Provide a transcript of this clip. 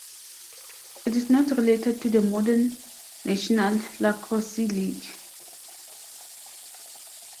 It is not related to the modern National Lacrosse League.